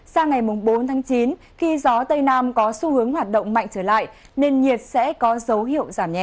sang ngày bốn tháng chín khi gió tây nam có xu hướng hoạt động mạnh trở lại nền nhiệt sẽ có dấu hiệu giảm nhẹ